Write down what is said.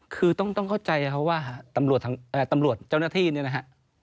คือต้องเข้าใจนะครับว่าตำรวจเจ้าหน้าที่เนี่ยนะฮะ